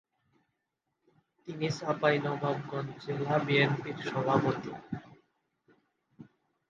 তিনি চাঁপাইনবাবগঞ্জ জেলা বিএনপির সভাপতি।